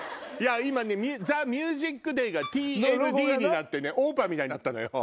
『ＴＨＥＭＵＳＩＣＤＡＹ』が「ＴＭＤ」になってＯＰＡみたいになったのよ